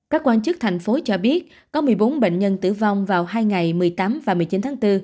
các quan chức thành phố cho biết có một mươi bốn bệnh nhân tử vong vào hai ngày một mươi tám và một mươi chín tháng bốn